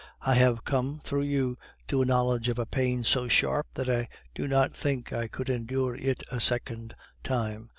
I have come, through you, to a knowledge of a pain so sharp that I do not think I could endure it a second time.